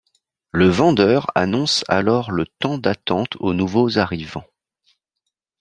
Le vendeur annonce alors le temps d'attente aux nouveaux arrivants.